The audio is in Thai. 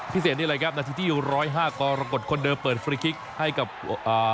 นี่แหละครับนาทีที่ร้อยห้ากรกฎคนเดิมเปิดฟรีคลิกให้กับอ่า